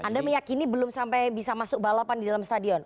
anda meyakini belum sampai bisa masuk balapan di dalam stadion